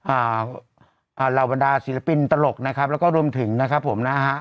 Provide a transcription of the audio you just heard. อ่าอ่าเหล่าบรรดาศิลปินตลกนะครับแล้วก็รวมถึงนะครับผมนะฮะ